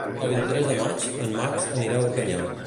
El vint-i-tres de maig en Max anirà a Organyà.